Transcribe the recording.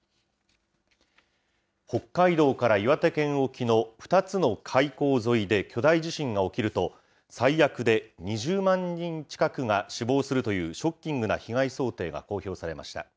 北海道から岩手県沖の２つの海溝沿いで巨大地震が起きると、最悪で２０万人近くが死亡するというショッキングな被害想定が公表されました。